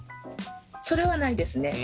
それはないですね。